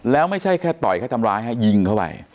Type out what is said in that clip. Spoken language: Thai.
แล้วไม่ใช่แค่ต่อยแค่ทำร้ายยิงเข้าไป